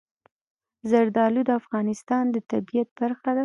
زردالو د افغانستان د طبیعت برخه ده.